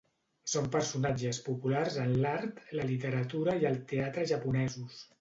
Són personatges populars en l'art, la literatura i el teatre japonesos.